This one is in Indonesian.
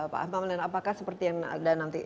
pak pamda apakah seperti yang ada nanti